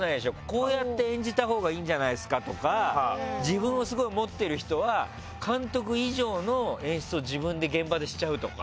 こうやって演じたほうがいいんじゃないですかとか自分をすごい持っている人は監督以上の演出を自分で現場でしちゃうとか。